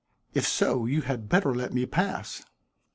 "If so, you had better let me pass."